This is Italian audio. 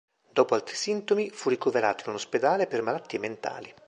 Dopo altri sintomi, fu ricoverato in un ospedale per malattie mentali.